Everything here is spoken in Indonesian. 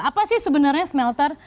apa sih sebenarnya smelter